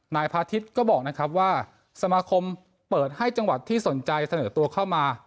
นายพาทิศก็บอกนะครับว่าสมาคมเปิดให้จังหวัดที่สนใจเสนอตัวเข้ามา